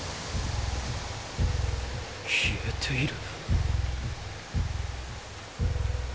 消えている？